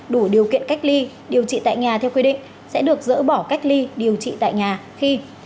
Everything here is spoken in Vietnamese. đủ điều kiện cách ly điều trị tại nhà theo quy định sẽ được dỡ bỏ cách ly điều trị tại nhà khi